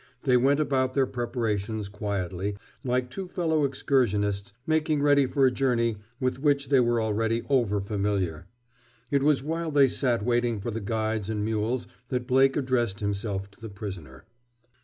They went about their preparations quietly, like two fellow excursionists making ready for a journey with which they were already over familiar. It was while they sat waiting for the guides and mules that Blake addressed himself to the prisoner.